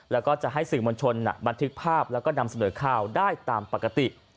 แล้วก็จะให้สื่อมวลชนบันทึกภาพแล้วก็นำเสนอข่าวได้ตามปกติ